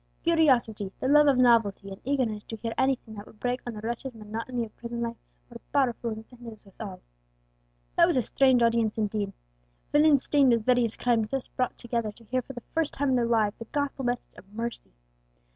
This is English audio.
Curiosity, the love of novelty, and eagerness to hear anything that would break on the wretched monotony of prison life, were powerful incentives with all. That was a strange audience indeed! Villains stained with various crimes thus brought together to hear for the first time in their lives the gospel message of mercy.